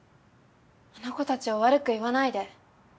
あの子たちを悪く言わないで。